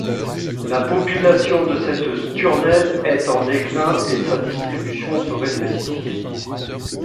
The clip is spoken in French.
La population de cette sturnelle est en déclin et sa distribution se rétrécit.